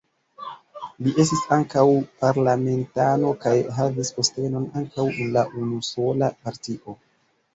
Li estis ankaŭ parlamentano kaj havis postenon ankaŭ en la unusola partio.